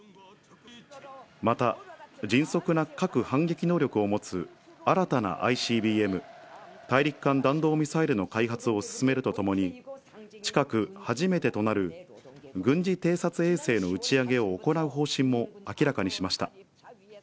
また、迅速な核反撃能力を持つ、新たなＩＣＢＭ・大陸間弾道ミサイルの開発を進めるとともに、近く初めてとなる軍事偵察衛星の打ち上げを行う方針も明らかにしました。